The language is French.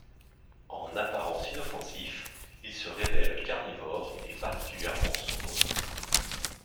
En apparence inoffensifs, ils se révèlent carnivores et particulièrement sournois.